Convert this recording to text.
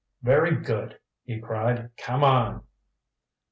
"Very good," he cried. "Come on."